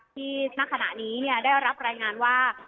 ณขณะนี้ได้รับรายงานว่า